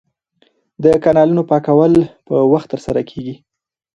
د کانالونو پاکول په وخت ترسره کیږي.